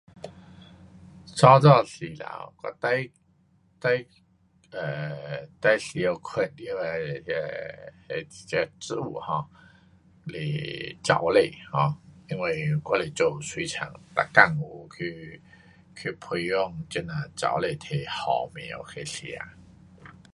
早早时头，我最，最，um 最常看到的 um 这植物 um 是藻类 um，因为我是做水产，每天有去，去培养这呐藻类给虾苗去吃。